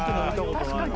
確かに。